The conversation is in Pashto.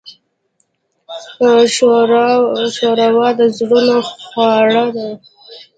ښوروا د زړونو خواړه دي.